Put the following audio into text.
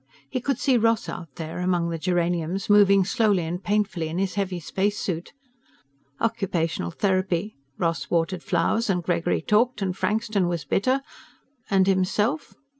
He could see Ross out there, among the geraniums, moving slowly and painfully in his heavy spacesuit. Occupational therapy. Ross watered flowers and Gregory talked and Frankston was bitter and ... himself?